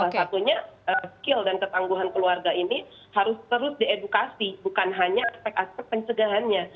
salah satunya skill dan ketangguhan keluarga ini harus terus diedukasi bukan hanya aspek aspek pencegahannya